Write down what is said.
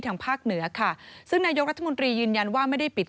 ทางภาคเหนือค่ะซึ่งนายกรัฐมนตรียืนยันว่าไม่ได้ปิด